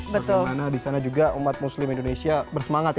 bagaimana di sana juga umat muslim indonesia bersemangat ya